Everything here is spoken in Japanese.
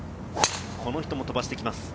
この人も飛ばしてきます。